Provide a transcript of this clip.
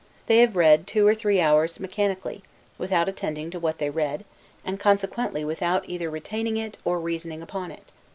They have read two or three hours mechanically, without attending to what they read, and consequently without either retaining it, or reasoning upon it.